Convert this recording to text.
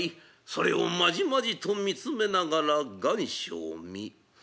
それをまじまじと見つめながら願書を見。